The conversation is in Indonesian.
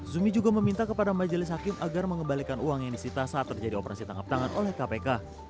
zumi juga meminta kepada majelis hakim agar mengembalikan uang yang disita saat terjadi operasi tangkap tangan oleh kpk